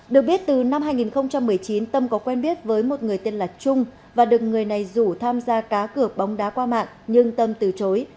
được biết từ năm hai nghìn một mươi chín tâm có quen biết với một người tên là trung và được người này rủ tham gia cá cược bóng đá qua mạng nhưng tâm từ chối